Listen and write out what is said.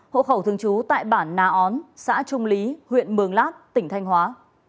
hộ khẩu thường trú tại bản nà ón xã trung lý huyện mường lát tỉnh thanh hóa